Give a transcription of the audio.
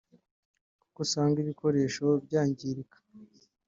kuko usanga ibikoresho byangirika